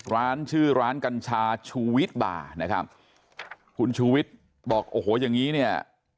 ร้านชื่อร้านกัญชาชูวิทย์บ่านะครับคุณชูวิทย์บอกโอ้โหอย่างงี้เนี่ย